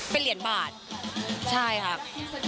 เป็นเหรียญบาทใช่ครับ